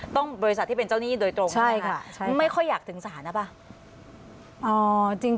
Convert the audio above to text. ต้องบริษัทที่เป็นเจ้าหนี้โดยตรงนะครับไม่ค่อยอยากถึงสารนะป่ะใช่ค่ะ